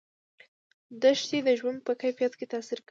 دښتې د ژوند په کیفیت تاثیر کوي.